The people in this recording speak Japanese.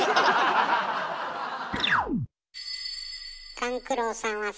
勘九郎さんはさ。